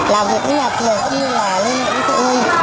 làm việc với nhập học như là liên hệ với tụi mình